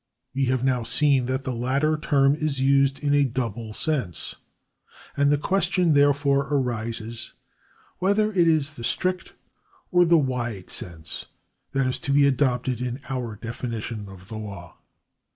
We have now seen that the latter term is used in a double sense, and the question therefore arises whether it is the strict or the wide sense that is to be adopted in our definition of the law.